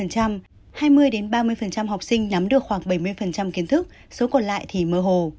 hai mươi ba mươi học sinh nắm được khoảng bảy mươi kiến thức số còn lại thì mơ hồ